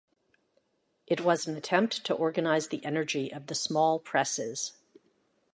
It was an attempt to organize the energy of the small presses.